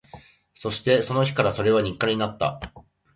そして、その日からそれは日課になった